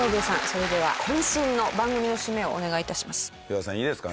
それでは渾身の番組の締めをお願いいたします。